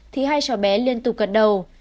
thì hai cháu bé liên tục cận đầu